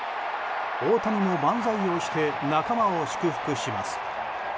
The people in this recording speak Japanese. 大谷も万歳をして仲間を祝福します。